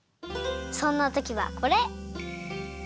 そんなときはこれ！